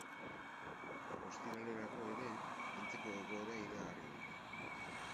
Ostiralerako ere, antzeko egoera iragarri dute.